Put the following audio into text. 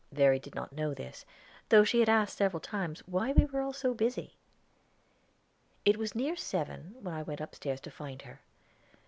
Verry did not know this, though she had asked several times why we were all so busy. It was near seven when I went upstairs to find her.